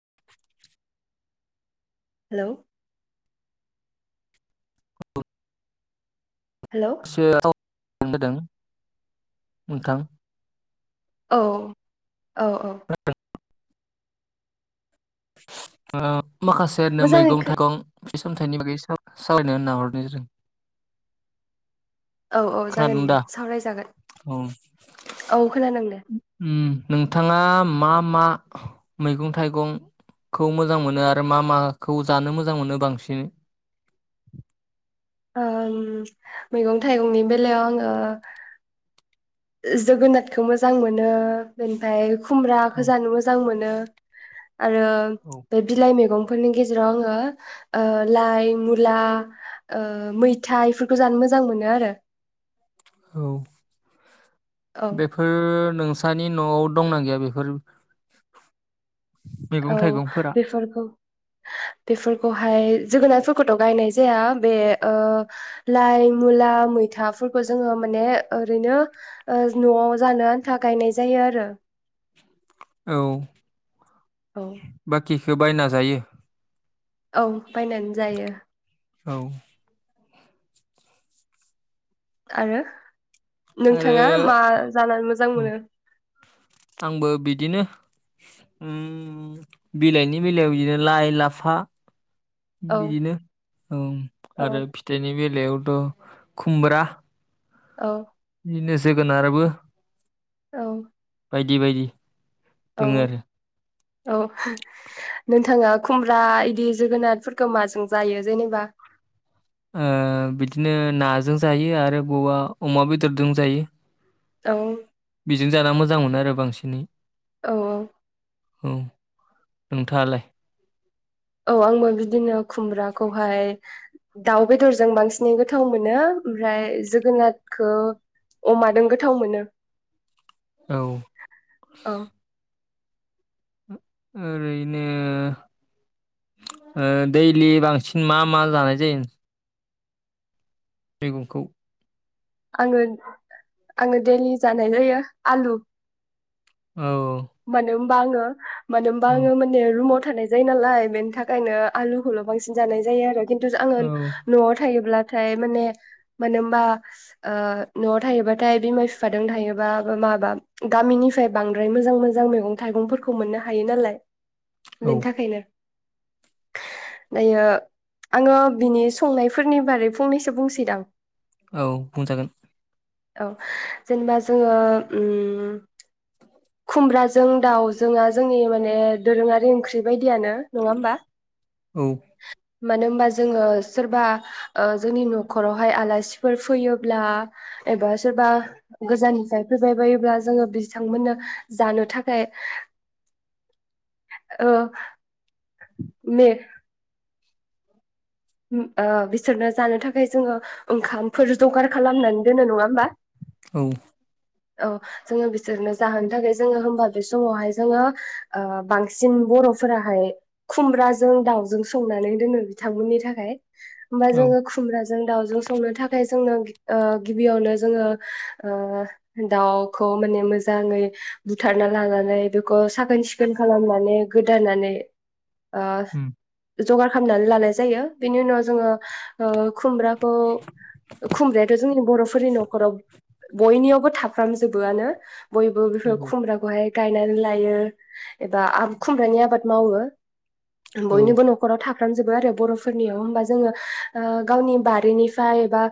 [inaudible] Hello hello [unintelligible] [unintelligible] नोंथां औ औ औ [inaudible] माखासेनो मोजाङै मैगं खो थाइगं बे सामथाइनि बागै सालायनो होनना हरनाय जादों औ औ जागोन खोनादों दे दा सावरायजागोन औ औ खोनादों दे नोंथाङा मा मा मैगं थाइगंखौ मोजां मोनो आरो मा माखौ जानो मोजां मोनो बांसिन ओं मैगं थाइगंनि बेलायाव आङो जोगोनाथखौ मोजां मोनो ओमफाय खुमब्राखो औ जानो मोजां मोनो [inaudible] आरो औ बे बिलाइ मैगं फोरनि गेजेराव आङो ओ लाइ मुला ओ मैथा बेफोरखौ जानो मोजां मोनो आरो औ औ बेफोर नों सानि न'आव दंना गैया बेफोर मैगं औ थाइगंफोरा बेफोरखौ बेफोरखौहाय जोगोनारफोरखौथ' गायनाय जाया बे ओ लाइ मुला मैथाफोरखौ जोङो माने ओरैनो न'आव जानो आन्था गायनाय जायो आरो औ औ सोबायनाजायो औ बायनानै जायो। औ आरो आरो नोंथाङा मा जानानै मोजां मोनो। आंबो बिदिनो उम बिलाइनि बेलायाव बिदिनो लाइ लाफा औ बिदिनो औ आरो फिथाइनि बेलायाव खुमब्रा औ बिनो जोगोनारबो औ बायदि बायदि औ दोङो आरो औ नोंथाङा खुमब्रा इदि जोगोनारफोरखो माजों जायो जेनेबा ओ बिदिनो नाजों जायो आरो बबवा अमा बेदरजों जायो। औ बेजों जाना मोजां मोनो आरो बांसिनै औ औ औ नोंथाङालाय औ आंबो बिदिनो खुमब्राखौहाय दाउ बेदरजों बांसिनै गोथाव मोनो ओमफ्राय जोगोनादखौ अमादों गोथाव मोनो। औ औ ओरैनो ओ दैलि बांसिन मा मा जानाय जायो। मैगंखौ आङो आङो दैडलि जानाय जायो आलु। औ बाङो मानो होनबा औ आङो माने रूमाव थानाय जायो नालाय बेनि थाखायनो आलुखौल' बांसिन जानाय जायो आरो। खिन्थु आङो औ न'आव थायोब्ला नाथाय माने मानो होमबा ओ न'आव थायोबाथाय बिमा बिफाजों थायोबा माबा गामिनिफ्राय बांद्राय मोजां मोजां मैगं थाइगंफोरखौ मोननो हायो नालाय। औ बेनि थाखायनो दायो आङो बिनि संनायफोरनि बारै फंनैसो बुंसैदां। औ बुंजागोन औ जेनेबा जोङो ओम खुमब्राजों दाउजोंआ जोंनि माने दोरोङारि ओंख्रि बायदि बिदियानो नङा होमबा औ मानो होमबा जोङो सोरबा ओ जोंनि न'खरावहाय आलासिफोर फैयो एबा सोरबा गोजाननिफ्राय फैबाय बायोब्ला जोङो बिथांमोननो जानो थाखाय। औ ने ओ बिसोरनो जानो थाखाय जोङो ओंखामफोर जगार खालामनानै दोनो नङा होमबा औ औ जोङो बिसोरनो जाहोनो थाखाय जोङो होमबा बे समावहाय जोङो ओ बांसिन बर'फोराहाय खुमब्राजों दावजों संनानै दोनो बिथांमोननि थाखाय होमबा औ जोङो खुमब्रा जों दाउजों संनो थाखाय ओ जोंनो गिबियावनो जोङो ओ दाउखौ माने मोजाङै बुथारना लानानै बेखौ साखोन सिखोन खालामनानै गोदानानै आ उम जगार खालामनानै लानाय जायो बेनि उनाव जोङो ओ खुमब्रा खौ खुमब्रायाथ' जोंनि बर' फोरनि नखराव बयनियावबो थाब फ्रामजोबोआनो बयबो बेफोर नंगौ खुमब्राखौहाय गायनानै लायो एबा आब खुमब्रानि आबाद मावो औ बयनिबो नखराव थाब खालामजोबो आरो बर'फोरनियाव होमबा जोङो ओ गावनि बारिनिफाय बा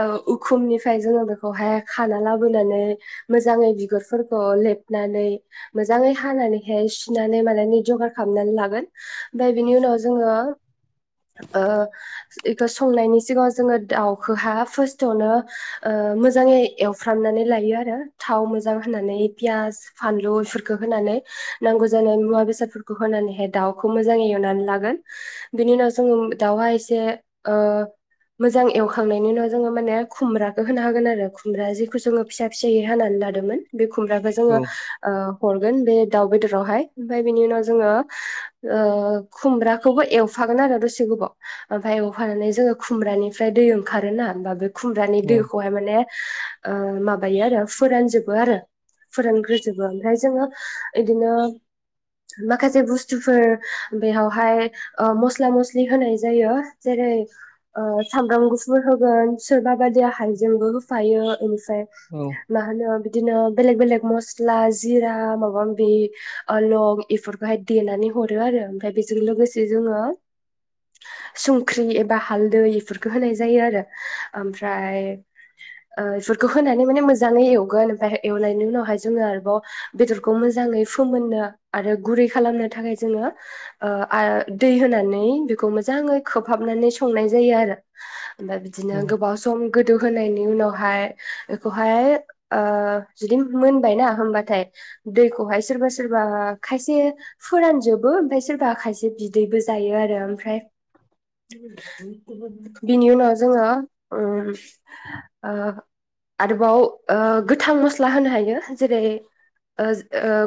ओ उखुमनिफ्राय जोङो बेखौहाय खाना लाबोनानै मोजाङै बिगुरफोरखौ लेबनानै मोजाङै हानानैहाय सुनानै मानानै जगार खालामनानै लागोन ओमफाय बिनि उनाव जोङो ओ इखौ संनायनि सिगाङाव जोङो दाउखौहा फारस्टआवनो ओ मोजाङै एवफ्रामनानै लायो आरो थाव मोजां होनानै पियास फानलु बेफोरखौ होनानै नांगौ जानाय मुवा बेसादफोरखौ होनानैहाय दाउखौ मोजाङै एवनानै लागोन बेनि उनाव जोङो दाउहा एसे ओ मोजां एवखांनायनि उनाव जोङो माने खुमब्राखौ होना हागोन आरो ओमफ्राय जेखौ जोङो फिसा फिसायो हानानै लादोंमोन बे खुमब्राखौ औ जोङो ओ हरगोन बे दाउ बेदरावहाय ओमफाय बेनि उनाव जोङो ओ खुमब्राखौबो एवफागोन आरो दसे गोबाव एवफानानै जोङो खुमब्रानिफ्राय दै ओंखारोना होमबा बे खुमब्रानि औ दैखौहाय माने ओ माबायो आरो फोरानजोबो आरो फोरानग्रोजोबो ओमफ्राय जोङो इदिनो माखासे बुस्थुफोर बेयावहाय ओ मस्ला मस्लि होनाय जायो जेरै ओ सामब्राम गुफुर होगोन सोरबा बायदिया हायजेंबो होफायो फाय मा होनो बिदिनो बेलग बेलेग मस्ला जिरा माबा-माबि लं एफोरखौहाय देनानै हरो आरो ओमफ्राय बेजों लोगोसे जोङो संख्रि एबा हालदै इफोरखौ होनाय जायो आरो ओमफ्राय ओ एफोरखौ होनानै माने मोजाङै एवगोन ओमफफ्राय एवनायनि उनावहाय जोङो आरोबाव बेदरखौ मोजाङै फोमोननो आरो गुरै खालामनो थाखाय जोङो ओ दै होनानै बेखौ मोजाङै खोबहाबनानै संनाय जायो आरो ओमफाय बिदिनो औ गोबाव सम गो दु होनायनि उनाव हाय एखौहाय ओ जुदि मोनबायना होनबाथाय दैखौहाय सोरबा सोरबा खायसे फोरानजोबो ओमफ्राय सोरबा खायसे बिदैबो जायो आरो ओमफ्राय बिनि उनाव जोङो उम ओ आरोबाव ओ गोथां मस्ला होनो हायो जेरै ओ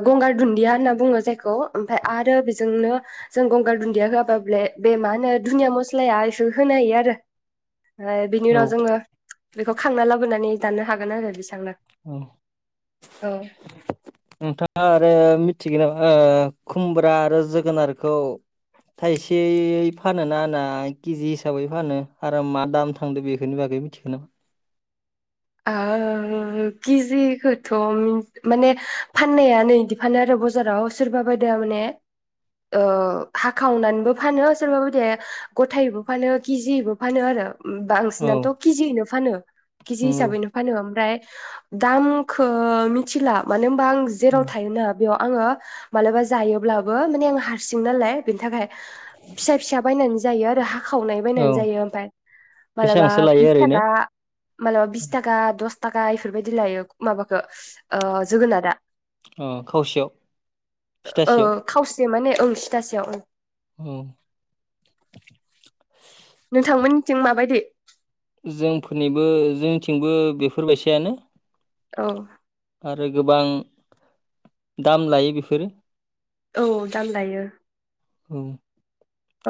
गंगार दुन्दिया होनना बुङो जायखौ ओमफ्राय आरो बेजोंनो जों गंगार दुन्दिया होआबाबल बे मा होनो धुनिया मस्लाया एसे होनो हायो आरो बिनि उनाव औ जोङो खांना लाबोनानै दानो हागोन आरो बिसोर औ नोंथाङा आरो मिथिगोन नामा ओ खुमब्रा आरो जोगोनारखौ थायसे फानो ना कि जि हिसाबै फानो आरो मा दाम थांदो बेखोरनि बागै मिथिगो ना ओ केजिखौथ' माने फाननाया नै इदि फानो आरो बजाराव सोरबा बायदिया माने ओ हाखावनानैबो फानो सोरबा बायदिया गथायैबो फानो केजिबो फानो आरो औ बांसिनाथ' केजियैनो फानो केजि नंगौ ओमफ्राय दामखौ मिथिला मानो बा आं जेराव उम थायोना बेयाव आङो मालाबा जायोब्लाबो माने आं हारसिं नालाय बेनि थाखाय फिसा फिसा बायनानै जायो आरो हा खावनाय बायनानै औ जायो ओमफाय मालाबा बेसेबांसो लायो बिस ओरैनो थाखा मालाबा बिस दस थाखा इफोरबायदि लायो माबाखौ ओ जोगोनारा अ खावसेयाव ओ थिथासेयाव खावसे माने ओं सिथासेयाव ओं औ नोंथांमोननिथिं माबायदि जोंफोरनिबो जोंनिथिंबो बेफोरबायसानो औ आरो गोबां दाम लायो बेफोरो औ दाम लायो औ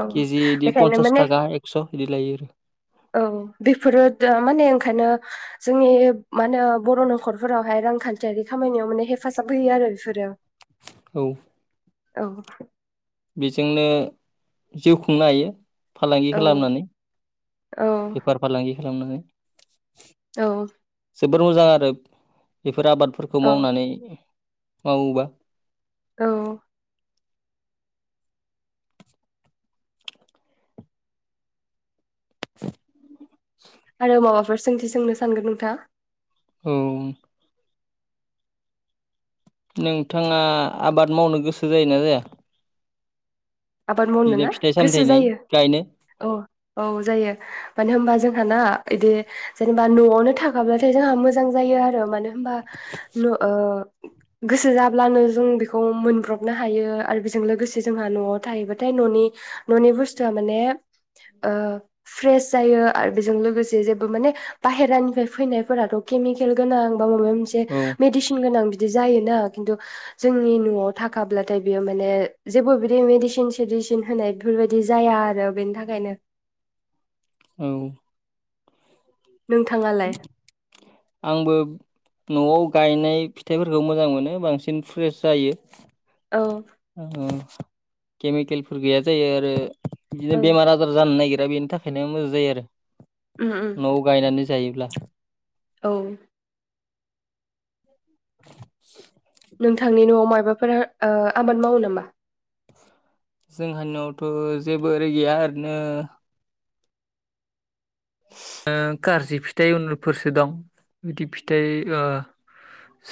औ केजि इदि बेखायनो पन्सास माने थाखा एकस' बिदि लायो आरो औ बेफोरो माने ओंखायनो जोंनि मा होनो बर' न'खरफोरावहाय रांखान्थियारि खामानियाव माने हेफाजाब होयो आरो बेफोरो औ औ बेजोंनो जिउ खुंनो हायो फालांगि औ खालामनानै औ बेफार फालांगि खालामनानै औ जोबोर मोजां आरो बेफोर आबादफोरखौ औ मावनानै मावोबा औ [inaudible] आरो मा बाफोर सोंथि सोंनो सानगोन नोंथाङा औ नोंथाङा आबाद मावनो गोसो जायोना जाया आबाद मावनो बिदिनो ना फिथाइ गोसो सामथाइनि जायो गायनो औ औ जायो मानो होनबा जोंहा ना इदि जेनेबा न'आवनो थाखाब्लाथाय जोंहा मोजां जायो आरो मानो होनबा न' ओ गोसो जाब्लानो जों बेखौ मोनब्रबनो हायो आरो बेजों लोगोसे जोंहा न'आव थायोबाथाय न'नि न'नि बुस्थुआ माने ओ फ्रेस जायो आरो बेजों लोगोसे बाहेरानिफ्राय फैनायफोरा माने केमिकेल गोनां बा‌ माबा मोनसे औ मेदिसिन‌ गोनां बि जायोना खिन्थु जोंनि न'आव थाखाब्लाथाय बियो माने जेबो बिदि मसि न सिडिसिन होनाय बेफोरबायदि जाया आरो बेनि थाखायनो औ नोंथाङालाय आंबो न'आव गायनाय फिथाइफोरखौ मोजां मोनो बांसिन फ्रेस जायो औ औ केमिकेलफोर गैया जायो आरो औ बिदिनो बेमार आजार जानो नागिर आरोा बेनि थाखायनो मोजां जायो आरो उम उम न'आव गायनानै जायोब्ला औ [inaudible] नोंथांनि न'आव मायाबाफोरा ओ आबाद मावो नामा? जोंहानि'आवथ' जेबो ओरै गैया ओरैनो ओ गारजि फिथाइ उनफोरसो दं बिदि फिथाइ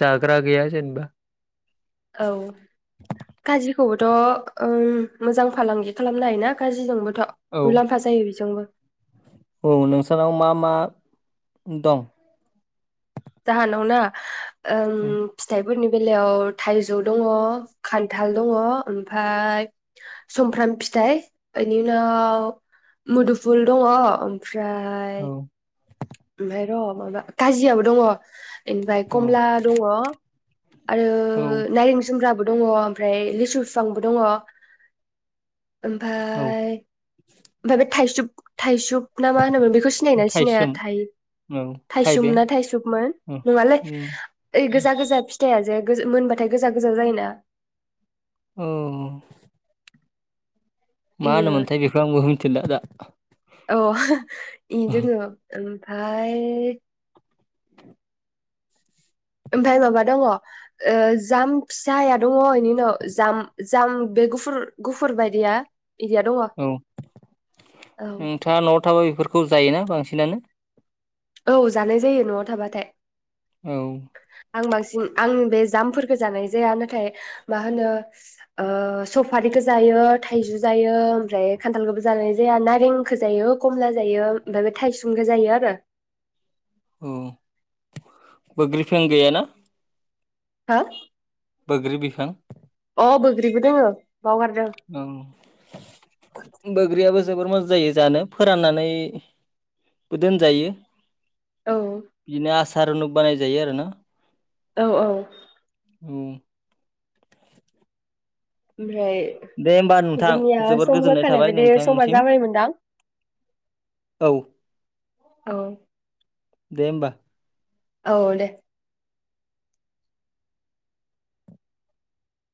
जाग्रा गैया जेनेबा औ गाजिखौबोथ' मोजां फालांगि खालामनो हायोना गाजिजोंबो औ मुलाम्फा जायो बेजोंबो औ नोंसोरनाव मा मा दं जाहानाव ना ओ औ फिथाइ फोरनि बेलायाव थाइजौ दङ खान्थाल दङ ओमफाय सुमफ्राम फिथाइ बेनि उनाव मुदुफुल दङ ओम फ्राय औ ओमफाय र' माबा काजियाबो दङ बेनिफ्राय कमला दङ आरो औ नाइरें जुम्ब्राबो दं दङ ओमफ्राय लिसु फिफांबो दङ ओमफ्राय औ ओमफ्राय बे थाइसु थाइसुब ना मा होनोमोन बेखौ सिनायोना सिनाया थायसोम औ थायसुम थाइबें औ ना थायसुममोन नङालै उम ओइ औ गोजा गोजा फि [unintelligible] जाया मोनबाथाय गोजा गोजा जायोना औ मा इयो होनोमोनथाय बेखौ आंबो मिथिला दा अ इ दोङो ओमफाय ओमफ्राय माबा दङ जाम फिसाया दङ बेनि उनाव जाम जाम बे गुफुर गुफुर बायदिया इदिया दङ औ नोंथाङा न'आव थाबा बेफोरखौ जायोना बा सिनानो औ जानाय जायो न'आव थाबाथाय-' औ आं बांसिन आं बे जामफोरफोरखौ जानाय जाया नाथाय मा होनो ओ सफारिखौ जायो थाइजौ जायो ओमफ्राय खान्थालखौबो जानाय जाया नारेंखौ जायो कमला जायो ओमफ्राय बे थायसुंखौ जायो आरो। औ बोग्रि बिफां गैयाना। हा बोग्रि बिफां। औ बोग्रिबो दोङो। बावगारदों औ बोग्रिया बो जोबोर मोजां जायो जानो फोराननानैबो दोनजायो। औ सारुनु बानाय जायो आरो ना। औ औ औ ओमफ्राय दे होमबा नोंथां जोंनिया जोबोर सम गोजोननाय होखानाय थाबाय बायदि समा नोंथांनिसिम जाबायमोनदां औ औ दे होमबा औ दे